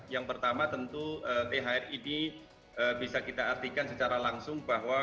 yang pertama tentu thr ini bisa kita artikan secara langsung bahwa